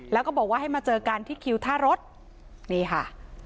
แล้วก็บอกว่าให้มาเจอกันที่คิวท่ารถนี่ค่ะ